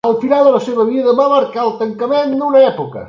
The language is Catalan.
El final de la seva vida va marcar el tancament d'una època.